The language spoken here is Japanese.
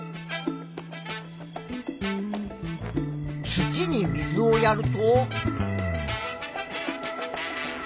土に水をやると。